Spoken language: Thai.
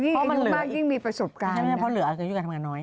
นี่นี่นุ่ม่ายิ่งมีประสบการณ์ใช่ไหมพอเหลืออาจจะอยู่กันทำงานน้อย